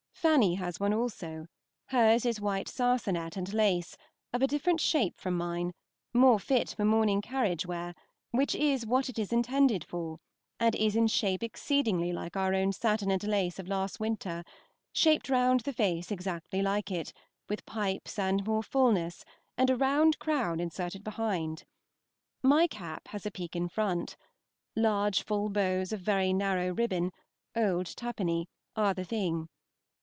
Fanny has one also; hers is white sarsenet and lace, of a different shape from mine, more fit for morning carriage wear, which is what it is intended for, and is in shape exceedingly like our own satin and lace of last winter; shaped round the face exactly like it, with pipes and more fulness, and a round crown inserted behind. My cap has a peak in front. Large full bows of very narrow ribbon (old twopenny) are the thing.